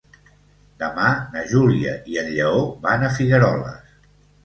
Demà na Júlia i en Lleó van a Figueroles.